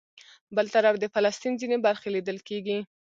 بل طرف د فلسطین ځینې برخې لیدل کېږي.